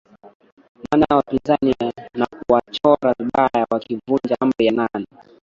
maana ya wapinzani na kuwachora vibaya wakivunja amri ya nane